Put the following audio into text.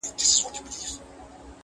شپونکی چي نه سي ږغولای له شپېلۍ سندري!